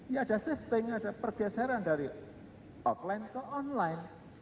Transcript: ya ada shifting ada pergeseran dari offline ke online